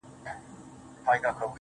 زما ځوانمرگ وماته وايي,